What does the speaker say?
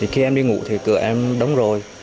khi em đi ngủ thì cửa em đóng rồi